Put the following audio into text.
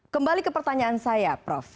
kembali ke pertanyaan saya prof